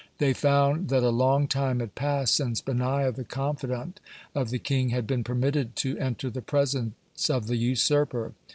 They found that a long time had passed since Benaiah, the confidant of the king, had been permitted to enter the presence of the usurper.